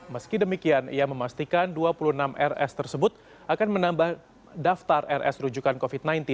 meski demikian ia memastikan dua puluh enam rs tersebut akan menambah daftar rs rujukan covid sembilan belas